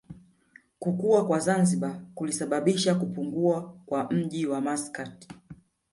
Kukua kwa Zanzibar kulisababisha kupungua kwa mji wa Maskat